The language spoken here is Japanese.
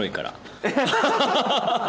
ハハハ！